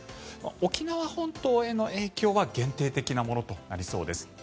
沖縄本島への影響は限定的なものとなりそうです。